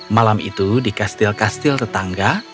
malam itu di kastil kastil tetangga